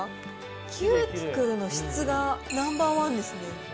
キューティクルの質がナンバー１ですね。